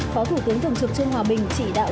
phó thủ tướng thường trực trương hòa bình chỉ đạo